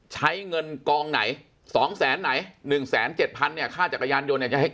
ใช้เงินกองไหนสองแสนไหนหนึ่งแสนเจ็ดพันธุ์ค่าจักรยานยนต์